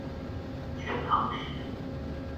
全唐詩